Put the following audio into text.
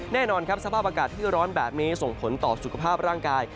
แน่นอนครับสภาพอากาศที่ร้อนแบบนี้ส่งผลต่อสุขภาพร่างกาย